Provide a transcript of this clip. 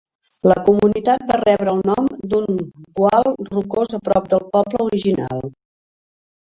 La comunitat va rebre el nom d'un gual rocós a prop del poble original.